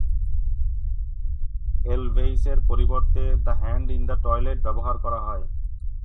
এলভেইসের পরিবর্তে "the hand in the toilet" ব্যবহার করা হয়।